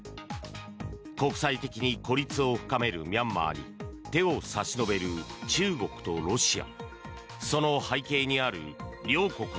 国際的に孤立を深めるミャンマーに手を差し伸べる中国とロシア。